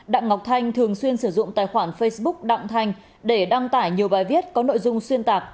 đặng ngọc thanh thường xuyên sử dụng tài khoản facebook đặng thanh để đăng tải nhiều bài viết có nội dung xuyên tạc